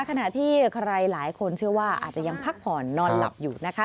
ขณะที่ใครหลายคนเชื่อว่าอาจจะยังพักผ่อนนอนหลับอยู่นะคะ